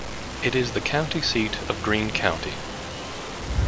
It is the county seat of Greene County.